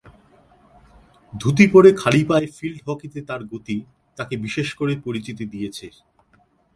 ধুতি পরে খালি পায়ে ফিল্ড হকিতে তার গতি তাকে বিশেষ করে পরিচিতি দিয়েছে।